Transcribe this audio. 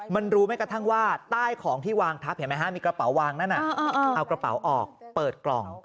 มันรู้ไหมกระทั่งว่าใต้ของที่วางทับเห็นไหมฮะมีกระเป๋าวางนั่นเอากระเป๋าออกเปิดกล่อง